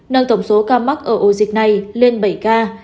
các mắc ở ổ dịch này lên bảy ca